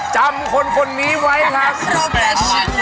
จำคนนี้ไว้ครับงั้น